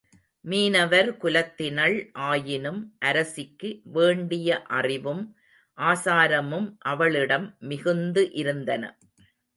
மீனவர் குலத்தினள் ஆயினும் அரசிக்கு வேண்டிய அறிவும் ஆசாரமும் அவளிடம் மிகுந்து இருந்தன.